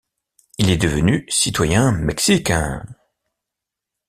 Il est devenu citoyen mexicain.